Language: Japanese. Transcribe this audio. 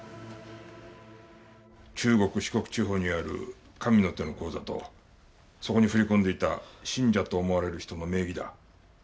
中国・四国地方にある神の手の口座とそこに振り込んでいた信者と思われる人の名義だ。